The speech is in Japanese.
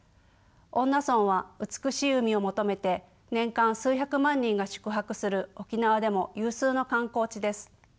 恩納村は美しい海を求めて年間数百万人が宿泊する沖縄でも有数の観光地です。